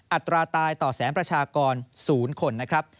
อัตราตายต่อแสนประชากร๐คนนะครับ